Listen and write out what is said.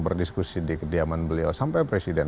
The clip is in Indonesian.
berdiskusi di kediaman beliau sampai presiden